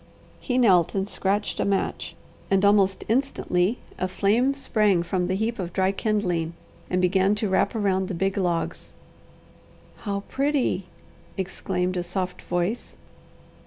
He knelt and scratched a match, and almost instantly a flame sprang from the heap of dry kindling, and began to wrap around the big logs. "How pretty!" exclaimed a soft voice.